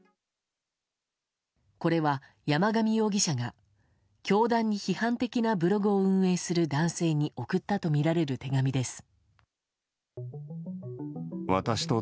これは、山上容疑者が教団に批判的なブログを運営する男性に送ったとみられる手紙です。